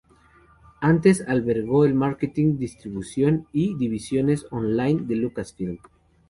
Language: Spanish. Antes albergó el marketing, distribución y divisiones on-line de Lucasfilm.